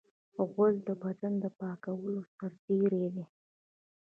غول د بدن د پاکولو سرتېری دی.